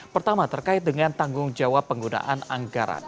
pertama terkait dengan tanggung jawab penggunaan anggaran